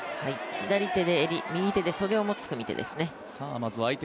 左手で襟、右手で袖を持つ組み手です。